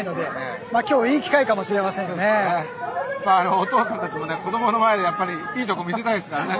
お父さんたちもね子どもの前でやっぱりいいとこ見せたいですからね。